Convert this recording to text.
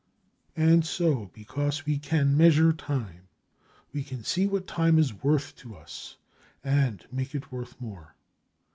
And so because we can measure time, we can see what time is worth to us, and make it worth more.